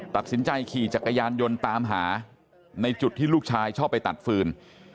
ตัดสินใจขี่จักรยานยนต์ตามหาในจุดที่ลูกชายชอบไปตัดฟืน